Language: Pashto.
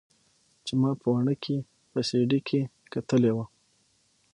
چې ما په واڼه کښې په سي ډي کښې کتلې وه.